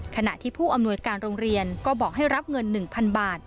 ขณะที่ผู้อำนวยการโรงเรียนก็บอกให้รับเงิน๑๐๐๐บาท